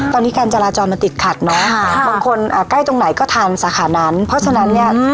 ตอนนี้การจราจรมันติดขัดเนาะบางคนอ่าใกล้ตรงไหนก็ทานสาขานั้นเพราะฉะนั้นเนี่ย